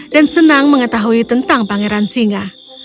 dan senang mengetahui tentang pangeran singa